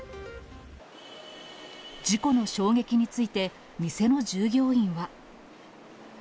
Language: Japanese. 事故の衝撃について、店の従業員は。